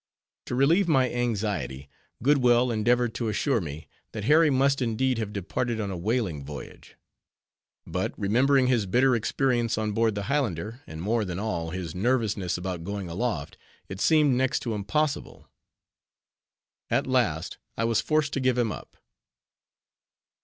To relieve my anxiety, Goodwell endeavored to assure me, that Harry must indeed have departed on a whaling voyage. But remembering his bitter experience on board of the Highlander, and more than all, his nervousness about going aloft, it seemed next to impossible. At last I was forced to give him up.